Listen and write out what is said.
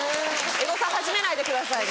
エゴサ始めないでくださいね。